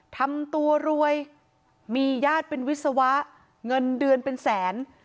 ทำตัวรวยมีญาติเป็นวิศวะเงินเดือนเป็นแสน